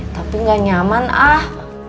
tapi nggak nyaman ah